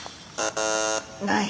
ない！